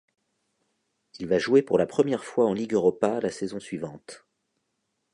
Il va jouer pour la première fois en Ligue Europa la saison suivante.